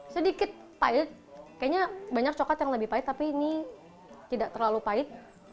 sedikit pahit kayaknya banyak coklat yang lebih pahit tapi ini tidak terlalu pahit